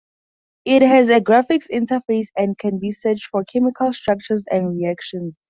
It has a graphics interface, and can be searched for chemical structures and reactions.